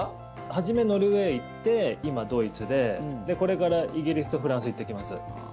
初め、ノルウェー行って今、ドイツでこれからイギリスとフランス行ってきます。